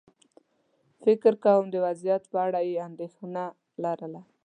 فکر کووم د وضعيت په اړه یې اندېښنه لرله.